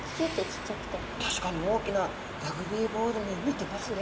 確かに大きなラグビーボールに似てますね。